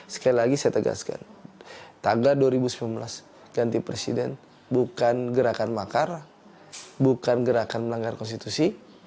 sekali lagi saya tegaskan tagar dua ribu sembilan belas ganti presiden bukan gerakan makar bukan gerakan melanggar konstitusi